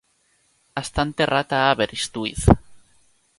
Està enterrat a Aberystwyth.